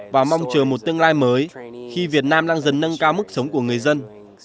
và mong chờ một tương lai mới khi việt nam đang dần nâng cao mức sống của người dân